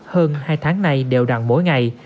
hơn hai tháng này đều đặn mỗi ngày